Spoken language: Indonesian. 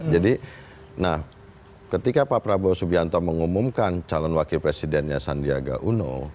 jadi ketika pak prabowo subianto mengumumkan calon wakil presidennya sandiaga uno